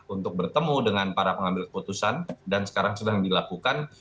untuk bertemu dengan para pengambil keputusan dan sekarang sedang dilakukan